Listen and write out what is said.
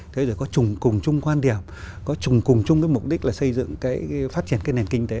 thế rồi có chùng cùng chung quan điểm có chùng cùng chung cái mục đích là xây dựng cái phát triển cái nền kinh tế